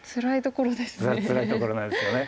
つらいところですね。